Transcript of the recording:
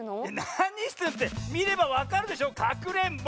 なにしてるってみればわかるでしょかくれんぼ！